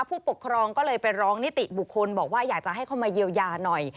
ผู้ปกครองก็เลยไปร้องนิติบุคคลบอกว่าอยากจะให้เข้ามาเยียวยาหน่อย